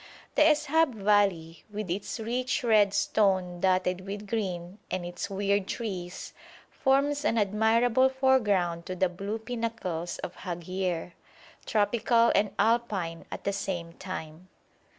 The Es'hab valley, with its rich red stone dotted with green and its weird trees, forms an admirable foreground to the blue pinnacles of Haghier tropical and Alpine at the same time.